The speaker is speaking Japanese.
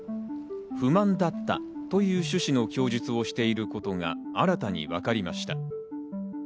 不満だったという趣旨の供述をしているということが新たに分かりました。